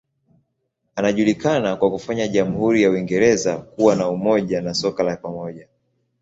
Anajulikana kwa kufanya jamhuri ya Uingereza kuwa na umoja na soko la pamoja.